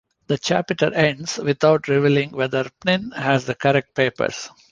The chapter ends without revealing whether Pnin has the correct papers.